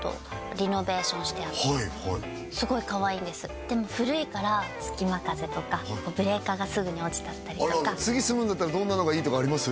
リノベーションしてあってはいはいすごいかわいいんですでも古いから隙間風とかブレーカーがすぐに落ちちゃったりとかあらら次住むんだったらどんなのがいいとかあります？